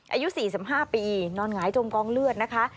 อายุ๔๕ปีนอนหงายจมกองเลือดนะคะ